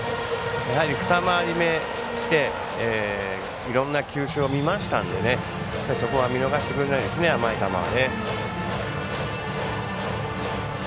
二回りしていろんな球種を見ましたのでそこは見逃してくれないですね甘い球はね。